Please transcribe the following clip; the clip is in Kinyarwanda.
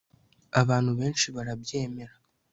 abantu benshi barabyemera